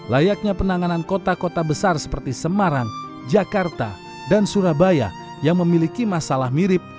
layaknya penanganan kota kota besar seperti semarang jakarta dan surabaya yang memiliki masalah mirip